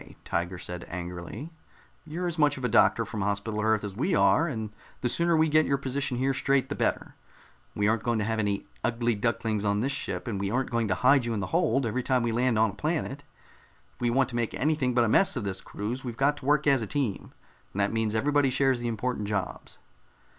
Tiger said angrily. "You're as much of a doctor from Hospital Earth as we are, and the sooner we get your position here straight, the better. We aren't going to have any ugly ducklings on this ship, and we aren't going to hide you in the hold every time we land on a planet. If we want to make anything but a mess of this cruise, we've got to work as a team, and that means everybody shares the important jobs."